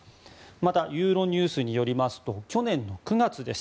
またユーロニュースによりますと去年９月です